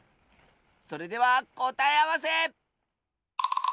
それではこたえあわせ！